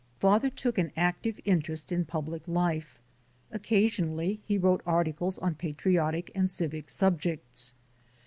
Father took an active interest in public life; occasionally he wrote articles on patriotic and civic subjects.